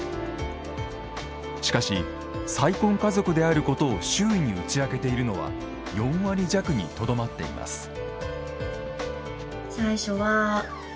しかし再婚家族であることを周囲に打ち明けているのは４割弱にとどまっています。